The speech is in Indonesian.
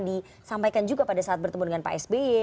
disampaikan juga pada saat bertemu dengan pak sby